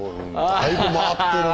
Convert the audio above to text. だいぶ回ってるね。